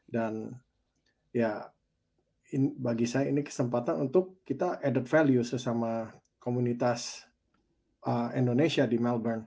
dan ya bagi saya ini kesempatan untuk kita added value sesama komunitas indonesia di melbourne